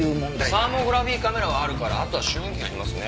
サーモグラフィカメラはあるからあとは集音器が要りますね。